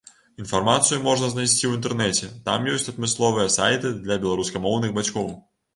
Інфармацыю можна знайсці ў інтэрнэце, там ёсць адмысловыя сайты для беларускамоўных бацькоў.